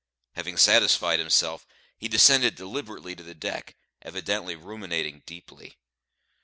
Having satisfied himself, he descended deliberately to the deck, evidently ruminating deeply.